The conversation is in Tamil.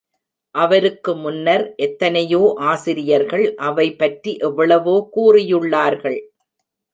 அவருக்கு முன்னர், எத்தனையோ ஆசிரியர்கள், அவை பற்றி எவ்வளவோ கூறி யுள்ளார்கள்.